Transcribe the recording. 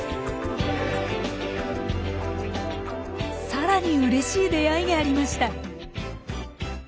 さらにうれしい出会いがありました。